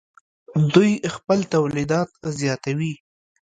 دوی خپل تولیدات زیاتوي.